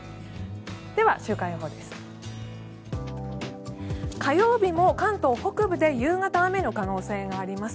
では、週間予報です。